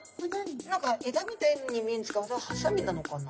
何か枝みたいに見えるんですがあれはハサミなのかな？